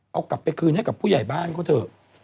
เอากลับไปคืนให้กับผู้ใหญ่บ้านเขาเถอะ